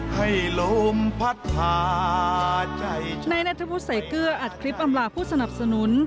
ให้ลมพัดผ่าใจนายนัทวุฒิใส่เกลืออัดคลิปอำลาผู้สนับสนุน